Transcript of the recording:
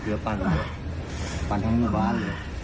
เจอที่กำลังเก๋กก่อน